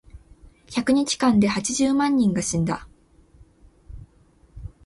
百日間で八十万人が死んだ。